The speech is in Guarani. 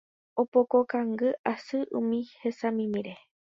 opoko kangy asy umi hesamimíre